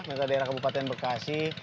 pemerintah daerah kabupaten bekasi